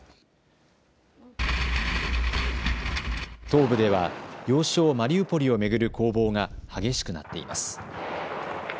東部では要衝マリウポリを巡る攻防が激しくなっています。